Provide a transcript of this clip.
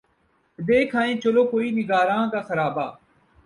دیکھ آئیں چلو کوئے نگاراں کا خرابہ